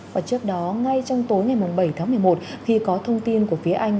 và trước đó ngay trong tối ngày bảy tháng một mươi một khi có thông tin của phía anh